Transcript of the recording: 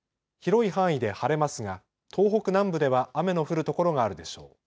広い範囲で晴れますが東北南部では雨の降る所があるでしょう。